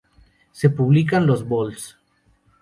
Se publicaron los Vols.